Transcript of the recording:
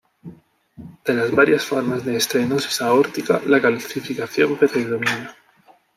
De las varias formas de estenosis aórtica, la calcificación predomina.